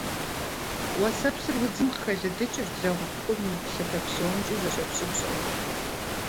Уэсэпсыр удзым къыхэлыдыкӀырт, лэгъупыкъум и плъыфэ псомкӏи зэщӀэпщӀыпщӀэу.